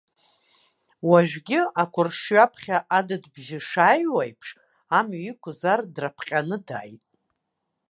Уажәгьы, ақәаршҩы аԥхьа адыд бжьы шааҩуа аиԥш, амҩа иқәыз ар драԥҟьаны дааит.